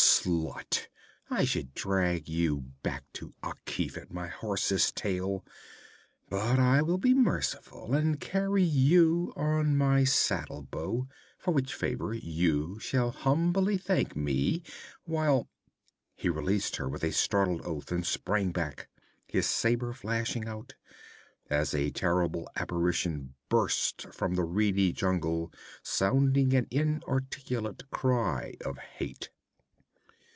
'Slut! I should drag you back to Akif at my horse's tail, but I will be merciful and carry you on my saddle bow, for which favor you shall humbly thank me, while ' He released her with a startled oath and sprang back, his saber flashing out, as a terrible apparition burst from the reedy jungle sounding an inarticulate cry of hate.